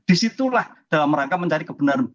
disitulah dalam rangka mencari kebenaran